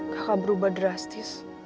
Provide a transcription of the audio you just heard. kakak berubah drastis